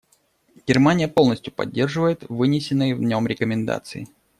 Германия полностью поддерживает вынесенные в нем рекомендации.